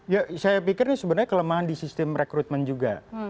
ya saya pikir ini sebenarnya kelemahan di sistem rekrutmen juga